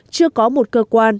chưa có một cơ quan